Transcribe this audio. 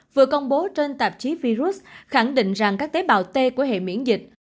vừa công bố trên tạp chí virus khẳng định rằng các tế bào t của hệ miễn dịch